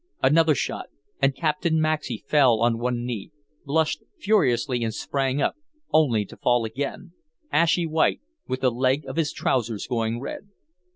Another shot, and Captain Maxey fell on one knee, blushed furiously and sprang up, only to fall again, ashy white, with the leg of his trousers going red.